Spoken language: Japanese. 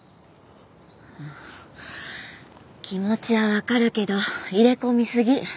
気持ちはわかるけど入れ込みすぎ。